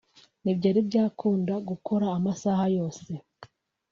Ntibyari byakunda gukora amasaha yose